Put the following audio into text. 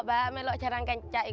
saya mengocamai sekali